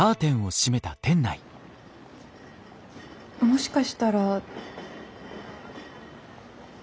もしかしたら。